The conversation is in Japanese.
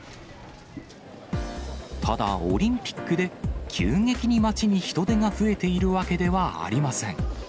ただ、オリンピックで急激に街に人出が増えているわけではありません。